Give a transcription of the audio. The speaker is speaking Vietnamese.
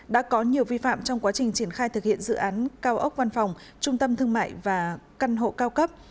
đã có nhiều vi phạm trong quá trình triển khai thực hiện dự án cao ốc văn phòng trung tâm thương mại và căn hộ cao cấp